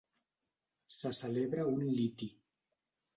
Se celebra un liti.